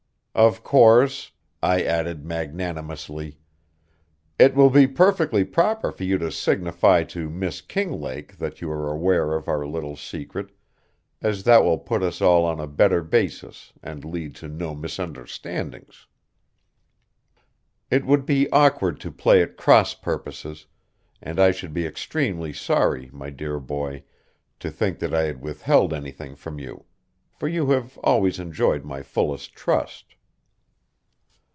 Of course," I added magnanimously, "it will be perfectly proper for you to signify to Miss Kinglake that you are aware of our little secret as that will put us all on a better basis and lead to no misunderstandings. It would be awkward to play at cross purposes, and I should be extremely sorry, my dear boy, to think that I had withheld anything from you, for you have always enjoyed my fullest trust."